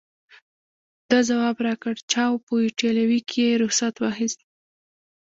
ده ځواب راکړ: چاو، په ایټالوي کې یې رخصت واخیست.